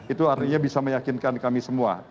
itu artinya bisa meyakinkan kami semua